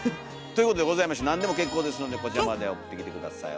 ということでございまして何でも結構ですのでこちらまで送ってきて下さい。